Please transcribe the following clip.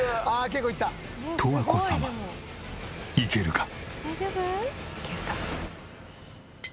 「いけるか？」